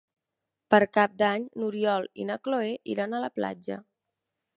Per Cap d'Any n'Oriol i na Cloè iran a la platja.